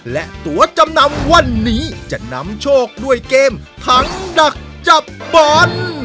และตัวจำนำวันนี้จะนำโชคด้วยเกมถังดักจับบอล